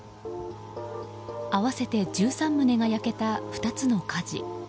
合わせて１３棟が焼けた２つの火事。